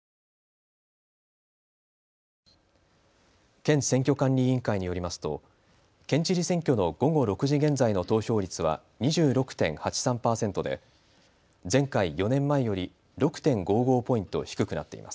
県選挙管理委員会によりますと県知事選挙の午後６時現在の投票率は２６．８３％で前回４年前より６．５５ポイント低くなっています。